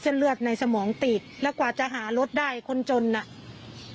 แล้วก็เอาปืนยิงจนตายเนี่ยมันก็อาจจะเป็นไปได้จริง